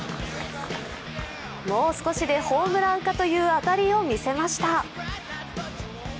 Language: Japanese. もう少しでホームランかという当たりを見せました。